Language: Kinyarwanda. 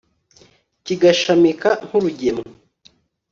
kigashamika nk'urugemwe